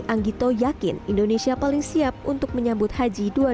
anggito yakin indonesia paling siap untuk menyambut haji dua ribu dua puluh